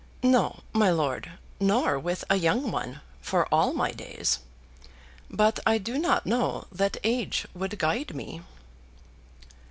"No, my lord; nor with a young one, for all my days. But I do not know that age would guide me."